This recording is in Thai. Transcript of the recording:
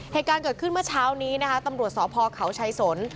เหตุการณ์เกิดขึ้นเมื่อเช้านี้นะคะตำรวจสพเขาชัยสน